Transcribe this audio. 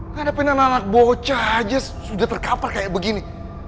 nggak ada penanah anak bocah aja sudah terkapar kayak begini